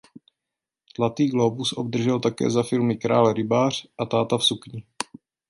Zlatý glóbus obdržel také za filmy "Král rybář" a "Táta v sukni".